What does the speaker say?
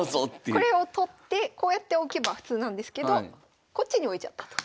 これを取ってこうやって置けば普通なんですけどこっちに置いちゃったと。